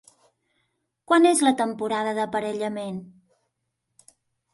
Quan és la temporada d'aparellament?